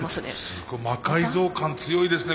すごっ魔改造感強いですね